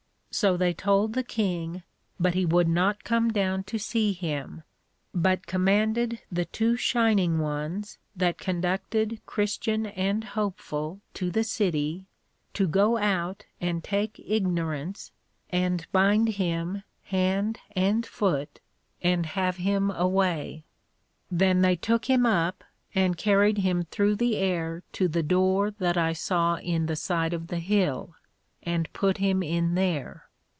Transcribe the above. So they told the King, but he would not come down to see him, but commanded the two Shining Ones that conducted Christian and Hopeful to the City, to go out and take Ignorance, and bind him hand and foot, and have him away. Then they took him up, and carried him through the air to the door that I saw in the side of the Hill, and put him in there.